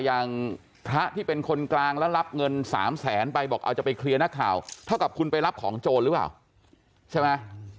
อย่างพระที่เป็นคนกลางแล้วรับเงิน๓แสนไปบอกเอาจะไปเคลียร์นักข่าวเท่ากับคุณไปรับของโจรหรือเปล่าใช่ไหม